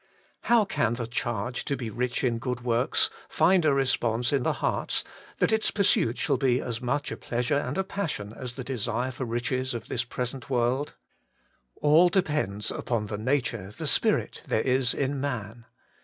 How can the charge to be rich in good works find a response in the hearts that its pursuit shall 98 Working for God be as much a pleasure and a passion as the desire for the riches of the present world? All depends upon the nature, the spirit, there is in man.